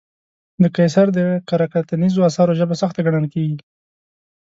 د قیصر د کره کتنیزو اثارو ژبه سخته ګڼل کېږي.